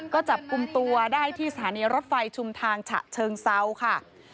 ก็จับกลุ่มตัวได้ที่สถานีรถไฟชุมทางฉะเชิงเซาค่ะ